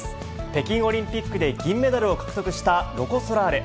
北京オリンピックで銀メダルを獲得したロコ・ソラーレ。